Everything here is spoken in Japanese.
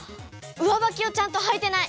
うわばきをちゃんとはいてない！